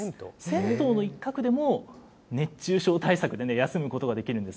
銭湯の一角でも、熱中症対策で休むことができるんです。